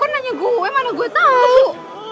kok nanya gue mana gue tau